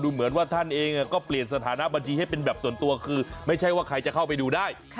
เหมือนว่าท่านเองก็เปลี่ยนสถานะบัญชีให้เป็นแบบส่วนตัวคือไม่ใช่ว่าใครจะเข้าไปดูได้